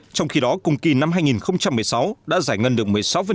trong khi đó cùng kỳ năm hai nghìn một mươi sáu đã giải ngân được một mươi sáu